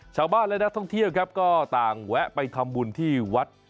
ชาวบ้านและนักท่องเที่ยวครับก็ต่างแวะไปทำบุญที่วัด